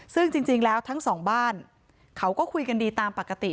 ซึ่งจริงแล้วทั้งสองบ้านเขาก็คุยกันดีตามปกติ